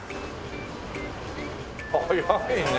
早いね。